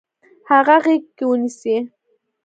هغه غیږ کې ونیسئ.